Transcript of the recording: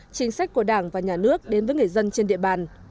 chính sách của đảng và nhà nước đến với người dân trên địa bàn